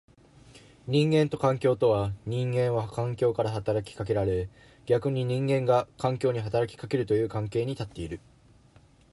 人間と環境とは、人間は環境から働きかけられ逆に人間が環境に働きかけるという関係に立っている。